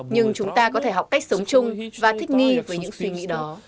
nhưng chúng ta có thể học cách sống chung và thích nghi với những suy nghĩ đó